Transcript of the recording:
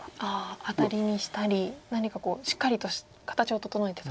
アタリにしたり何かしっかりと形を整えてと。